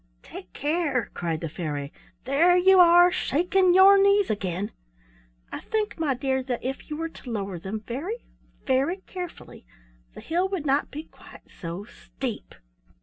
"Take care!" cried the fairy. "There you are shaking your knees again. I think, my dear, that if you were to lower them very, very carefully, the hill would not be quite so steep."